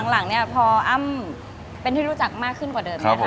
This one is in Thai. หลังเนี่ยพออ้ำเป็นที่รู้จักมากขึ้นกว่าเดิมไหมคะ